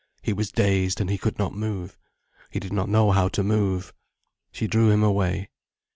He was dazed and he could not move, he did not know how to move. She drew him away.